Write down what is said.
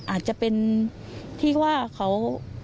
อาจจะเป็นที่ว่าเขา